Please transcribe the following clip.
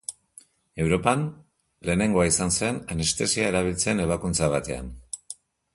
Europan lehenengoa izan zen anestesia erabiltzen ebakuntza batean.